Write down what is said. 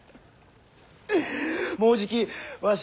もうじきわし。